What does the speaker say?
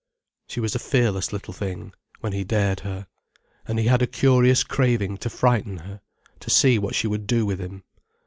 She was a fearless little thing, when he dared her. And he had a curious craving to frighten her, to see what she would do with him.